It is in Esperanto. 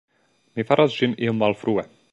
Mi faras ĝin iom malfrue.